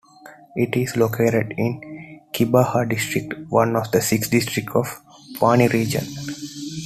It is located in Kibaha District, one of the six districts of Pwani Region.